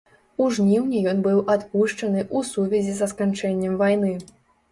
У жніўні ён быў адпушчаны ў сувязі са сканчэннем вайны.